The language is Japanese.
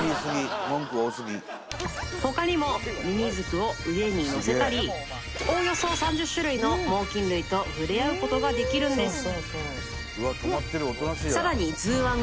他にもミミズクを腕にのせたりおおよそ３０種類の猛禽類と触れ合うことができるんです